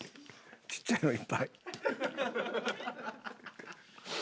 ちっちゃいのいっぱい。